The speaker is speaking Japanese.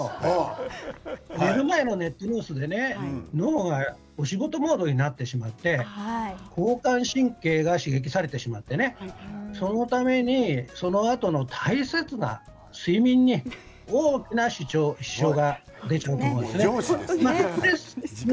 寝る前のネットニュースで脳がお仕事モードになってしまって交感神経が刺激されてしまってそのためにそのあとの大切な睡眠に大きな支障が出ちゃうと思うんです。